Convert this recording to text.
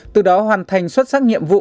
từ đó hoàn thành xuất sắc nhiệm vụ